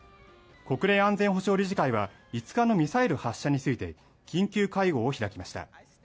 国連安全保障理事会は５日のミサイル発射について緊急会合を開きました